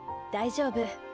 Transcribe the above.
大丈夫。